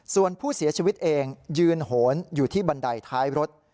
ส่วนผู้เสียชีวิตเองยืนโหนอยู่ที่บันไดท้ายรถ